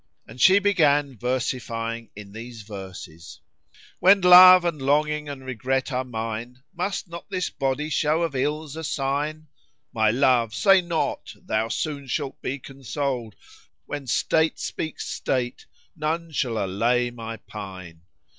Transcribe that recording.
And she began versifying in these verses, "When love and longing and regret are mine, * Must not this body show of ills a sign? My love! say not, 'Thou soon shalt be consoled'; * When state speaks state none shall allay my pine.